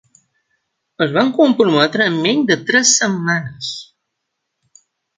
Es van comprometre en menys de tres setmanes.